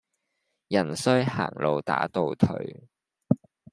人衰行路打倒褪